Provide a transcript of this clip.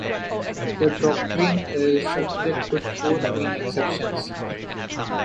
The doctrine is subject to four main exceptions.